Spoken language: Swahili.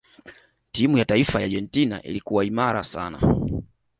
timu ya taifa ya Argentina ilikuwa imara sana